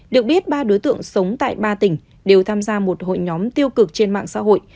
được biết ba đối tượng sống tại ba tỉnh đều tham gia một hội nhóm tiêu cực trên mạng xã hội